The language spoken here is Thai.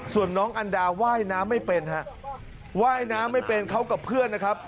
ส่วนน้องอันดาว่ายน้ำไม่เป็นฮะว่ายน้ำไม่เป็นเขากับเพื่อนนะครับ